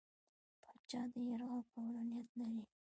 پاچا د یرغل کولو نیت لري.